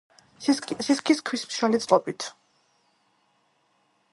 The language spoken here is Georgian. სისქის ქვის მშრალი წყობით.